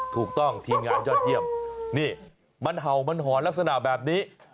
ทีมงานยอดเยี่ยมนี่มันเห่ามันหอนลักษณะแบบนี้